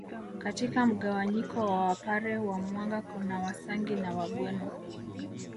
Katika mgawanyiko wa wapare wa mwanga kuna Wasangi na Wagweno